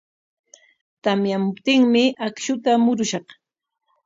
Tamyamuptinmi akshuta murushaq.